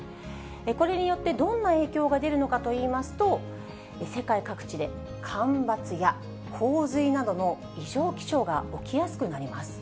これによってどんな影響が出るのかといいますと、世界各地で干ばつや洪水などの異常気象が起きやすくなります。